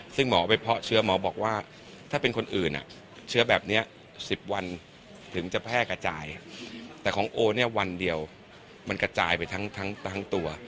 ซึ่งหมอไปเพาะเชื้อหมอบอกว่าถ้าเป็นคนอื่นเชื้อแบบนี้๑๐วันถึงจะแพร่กระจายแต่ของโอเนี่ยวันเดียวมันกระจายไปทั้งตัว